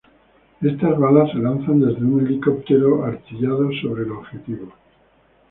Estas balas se lanzan desde un helicóptero artillado sobre el objetivo.